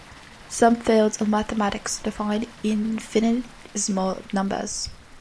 Some fields of mathematics define infinitesimal numbers.